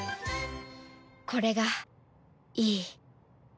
これがいい